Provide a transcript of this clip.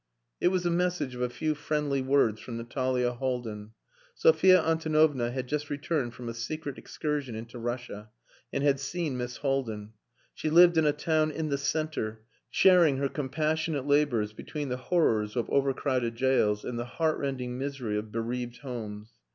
It was a message of a few friendly words from Natalia Haldin. Sophia Antonovna had just returned from a secret excursion into Russia, and had seen Miss Haldin. She lived in a town "in the centre," sharing her compassionate labours between the horrors of overcrowded jails, and the heartrending misery of bereaved homes.